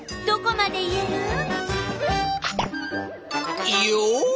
どこまでいえる？